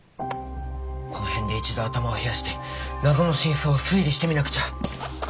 この辺で一度頭を冷やして謎の真相を推理してみなくちゃ！